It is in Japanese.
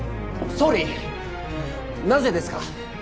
総理なぜですか？